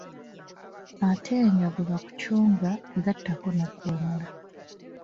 Ate nga bwe bakucunga gattako n'okukuwemula.